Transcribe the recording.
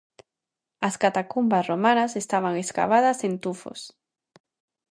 As catacumbas romanas estaban escavadas en tufos.